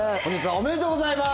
ありがとうございます。